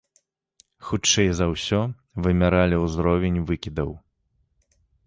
Хутчэй за ўсё, вымяралі ўзровень выкідаў.